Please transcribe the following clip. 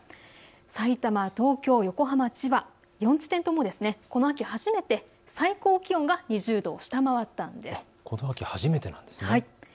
さいたま、東京、横浜、千葉、４地点ともこの秋初めて最高気温が２０度を下回ったんです。